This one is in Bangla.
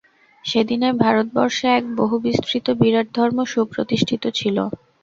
সেদিনের ভারতবর্ষে এক বহুবিস্তৃত বিরাট ধর্ম সুপ্রতিষ্ঠিত ছিল।